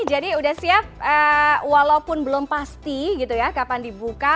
jadi sudah siap walaupun belum pasti gitu ya kapan dibuka